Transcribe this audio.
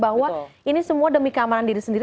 bahwa ini semua demi keamanan diri sendiri